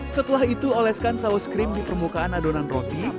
setelah itu oleskan saus krim di permukaan adonan roti